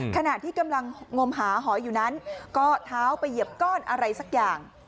ขณะที่กำลังงมหาหอยอยู่นั้นก็เท้าไปเหยียบก้อนอะไรสักอย่าง